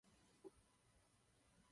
Připravoval se v Sofii v klubu Slavia.